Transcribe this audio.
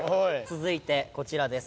続いてこちらです。